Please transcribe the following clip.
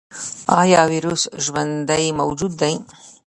ایا ویروس ژوندی موجود دی؟